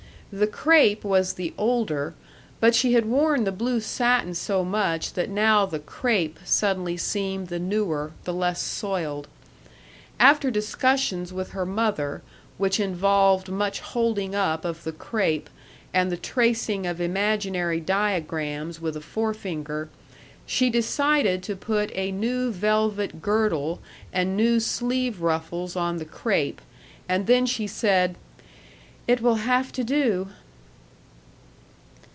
The crêpe was the older, but she had worn the blue satin so much that now the crêpe suddenly seemed the newer, the less soiled. After discussions with her mother, which involved much holding up of the crêpe and the tracing of imaginary diagrams with a forefinger, she decided to put a new velvet girdle and new sleeve ruffles on the crêpe, and then she said, "It will have to do."